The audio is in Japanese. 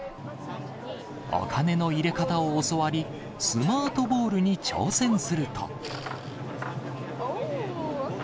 お金の入れ方を教わり、スマートボールに挑戦すると。